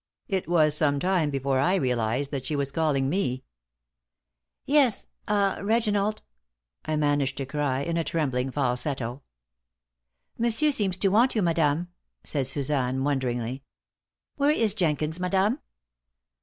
It was some time before I realized that she was calling me. "Yes ah Reginald!" I managed to cry, in a trembling falsetto. "Monsieur seems to want you, madame," said Suzanne, wonderingly. "Where is Jenkins, madame?"